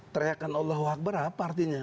teriakan allohuakbar apa artinya